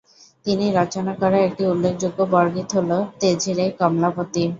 তিনি রচনা করা একটি উল্লেখযোগ্য বরগীত হল: তেজরে কমলাপতি।